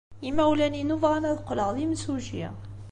Imawlan-inu bɣan ad qqleɣ d imsujji.